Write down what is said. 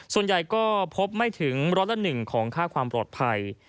ส่วนใหญ่ก็พบไม่ถึงร้อยละ๑ของค่าความปลอดภัย